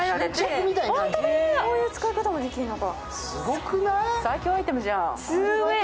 こういう使い方もできるのか。